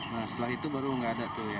nah setelah itu baru nggak ada tuh ya